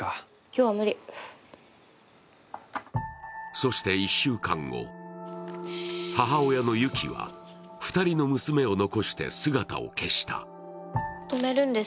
そして１週間後、母親の有希は２人の娘を残して姿を消した。